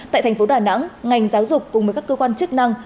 tại thành phố đà nẵng ngành giáo dục cùng với các cơ quan chức năng